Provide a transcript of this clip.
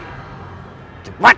cepat tangkap si luman ular itu